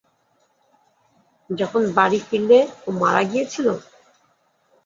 যখন বাড়ি ফিরলে ও মারা গিয়েছিল?